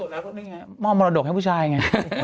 งั้นไงหมอบมรดกแล้วชายไง